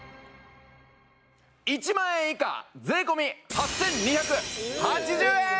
１万円以下税込８２８０円！